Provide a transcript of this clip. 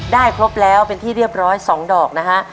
ครบแล้วเป็นที่เรียบร้อย๒ดอกนะฮะ